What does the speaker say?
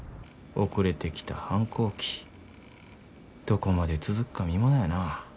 遅れてきた反抗期どこまで続くか見ものやな。